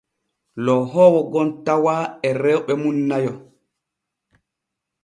Loohoowo gom tawano e rewɓe mum nayo.